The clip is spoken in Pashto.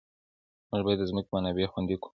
موږ باید د ځمکې منابع خوندي کړو.